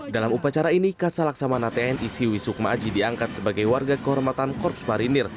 dalam upacara ini kasal laksamana tni siwisukma aji diangkat sebagai warga kehormatan korps marinir